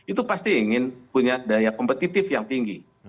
itu pasti ingin punya daya kompetitif yang tinggi